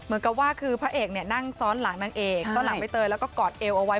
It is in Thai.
เหมือนกับว่าคือพระเอกเนี่ยนั่งซ้อนหลังนางเอกซ้อนหลังใบเตยแล้วก็กอดเอวเอาไว้